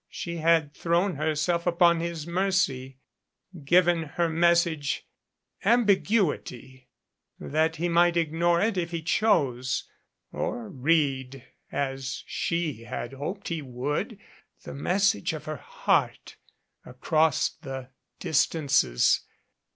She had thrown herself upon his mercy, given her message ambiguity that he might ignore it if he chose, or read, as she had hoped he would, the message of her heart, across the distances.